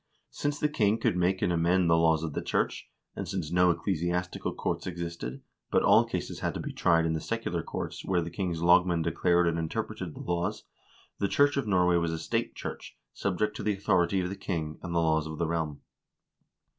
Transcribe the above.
Since the king could make and amend the laws of the church, and since no ecclesiastical courts existed, but all cases had to be tried in the secular courts, where the king's lagmand declared and interpreted the laws, the Church of Norway was a state church, subject to the authority of the king and the laws of the realm.